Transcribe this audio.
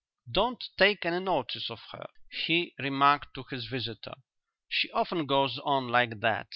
"Don't take any notice of her," he remarked to his visitors, "she often goes on like that.